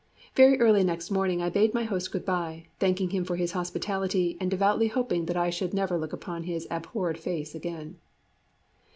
Very early next morning I bade my host good bye, thanking him for his hospitality, and devoutly hoping that I should never look upon his abhorred face again.